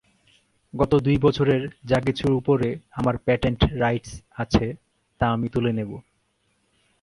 গত দুই বছরের যা কিছুর ওপরে আমার প্যাটেন্ট রাইটস আছে তা আমি তুলে নেবো।